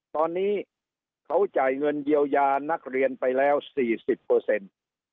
ตอนนี้เขาจ่ายเงินเยียวยานักเรียนไปแล้วสี่สิบเปอร์เซ็นต์